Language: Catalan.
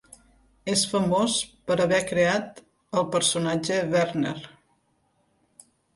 És famós per haver creat el personatge Werner.